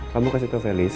kamu kasih tau felis